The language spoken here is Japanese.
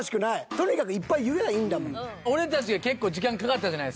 とにかくいっぱい言やぁいいんだもん。